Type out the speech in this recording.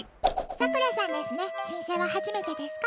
さくらさんですね申請は初めてですか？